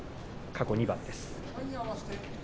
過去２番です。